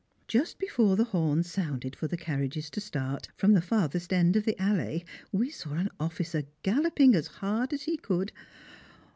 Just before the horn sounded for the carriages to start, from the farthest end of the allée we saw an officer galloping as hard as he could.